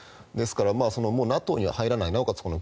ですから、ＮＡＴＯには入らないなおかつ